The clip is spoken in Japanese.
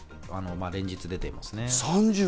連日、出ていますね。